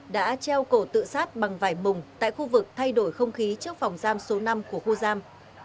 đã treo cổ tự sát bằng vải mùng tại khu vực thay đổi không khí trước phòng giam số năm của khu giam